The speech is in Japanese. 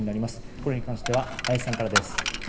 これに関しては林さんからです。